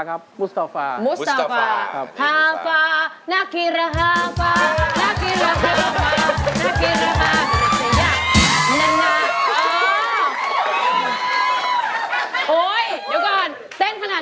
เครือยาดก่อนดีกว่า